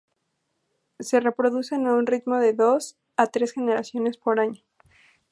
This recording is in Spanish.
Se reproducen a un ritmo de dos a tres generaciones por año.